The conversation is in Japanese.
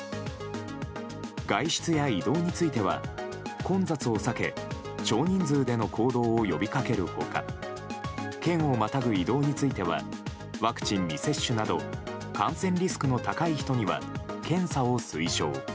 外出や移動については混雑を避け少人数での行動を呼びかける他県をまたぐ移動についてはワクチン未接種など感染リスクの高い人には検査を推奨。